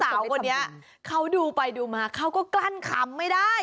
คือสาวคนเนี้ยเค้าดูไปดูมาเค้าก็กลั้นขำไม่ได้